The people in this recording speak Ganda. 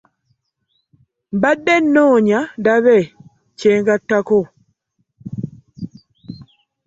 Mbadde nnoonya ndabe kye ngattako.